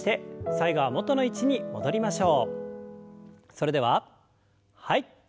それでははい。